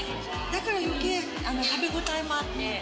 だからよけい、食べ応えもあって。